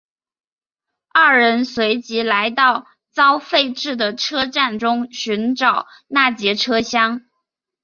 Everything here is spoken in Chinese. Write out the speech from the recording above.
二人随即来到遭废置的车站中寻找那节车厢。